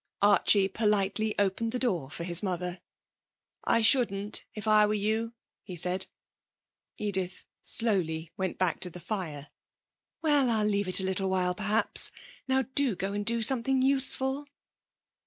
Archie politely opened the door for his mother. 'I shouldn't, if I were you,' he said. Edith slowly went back to the fire. 'Well, I'll leave her a little while, perhaps. Now do go and do something useful.'